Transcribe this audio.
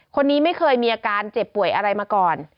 คนนี้ไม่เคยมีอาการเจ็บป่วยอะไรมาก่อน